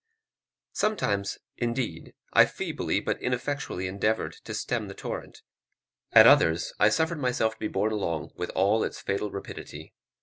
Sometimes, indeed, I feebly, but ineffectually endeavoured to stem the torrent; at others, I suffered myself to be borne along with all its fatal rapidity.